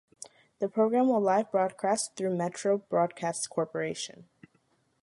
The program will live broadcast through Metro Broadcast Corporation.